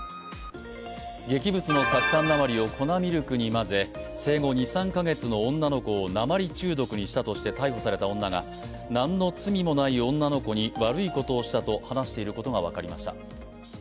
劇物の酢酸鉛を粉ミルクに混ぜ生後２３か月の女の子を鉛中毒にしたとして逮捕された女がなんの罪もない女の子に悪いことをしたと話していることが分かりました。